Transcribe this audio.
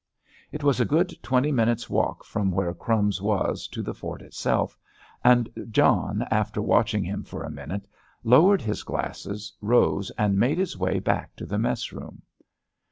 It was a good twenty minutes' walk from where "Crumbs" was to the fort itself, and John, after watching him for a minute, lowered his glasses, rose and made his way back to the mess room.